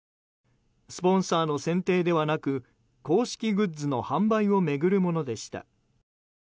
スポンサーの選定ではなく公式グッズの販売を巡るものでした。